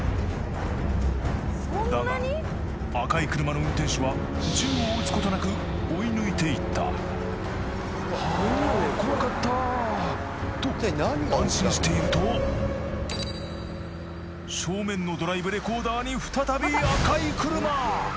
だが赤い車の運転手は銃を撃つことなく追い抜いていったあ怖かった！と安心していると正面のドライブレコーダーに再び赤い車！